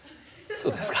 そうですか。